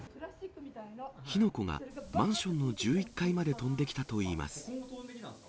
火の粉がマンションの１１階まで飛んできたといいます。